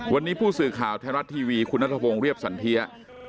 วันนี้ผู้สื่อข่าวไทยรัฐทีวีคุณนัทพงศ์เรียบสันเทีย